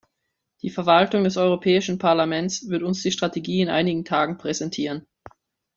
Die Verwaltung des Europäischen Parlaments wird uns die Strategie in einigen Tagen präsentieren.